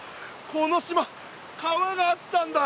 この島川があったんだ！